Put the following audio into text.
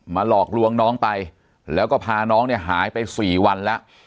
หลอกลวงน้องไปแล้วก็พาน้องเนี่ยหายไป๔วันแล้ว